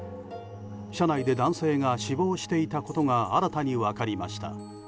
車内で男性が死亡していたことが新たに分かりました。